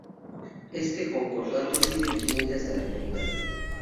Este Concordato sigue vigente hasta la actualidad.